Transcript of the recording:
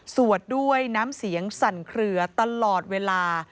ด้วยน้ำเสียงสั่นเคลือตลอดเวลา